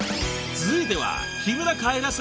［続いては］